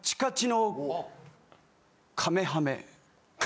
カメハメ。